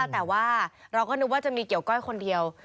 แต่ว่าเราก็นึกว่าจะมีเกี่ยวก้อยคนเดียว